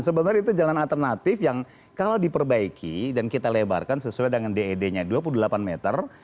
sebenarnya itu jalan alternatif yang kalau diperbaiki dan kita lebarkan sesuai dengan ded nya dua puluh delapan meter